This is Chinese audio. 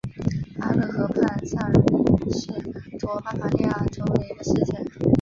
萨勒河畔萨尔是德国巴伐利亚州的一个市镇。